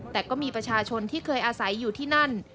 แต่ก็มีประชาชนที่เคยอาศัยอยู่ที่นั่น